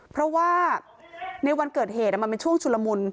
เพราะว่าในวันเกิดเหตุมันเป็นช่วงชุลมุน